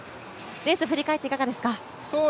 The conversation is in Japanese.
レース振り返って、いかがですか？